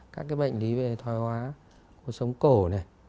các cái bệnh lý về thoái hóa cuộc sống cổ này